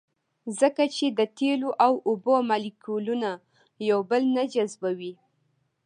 ځکه چې د تیلو او اوبو مالیکولونه یو بل نه جذبوي